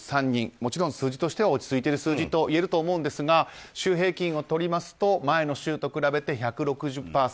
もちろん、数字としては落ち着いている数字といえると思うんですが週平均をとりますと前の週と比べて１６０％。